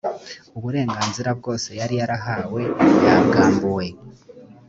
uburenganzira bwose yari yarahawe yabwambuwe.